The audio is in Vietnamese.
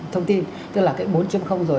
thông tin tức là cái bốn rồi